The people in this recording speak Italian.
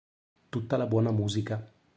Tutta la buona musica.